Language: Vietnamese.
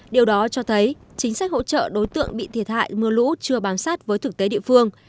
điều đó cho thấy chính sách hỗ trợ đối tượng bị thiệt hại mưa lũ chưa bám sát với thực tế địa phương